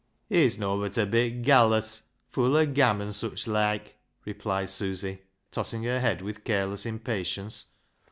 " He's nobbut a bit gallus, full o' gam an' sich loike," replied Susy, tossing her head with careless impatience.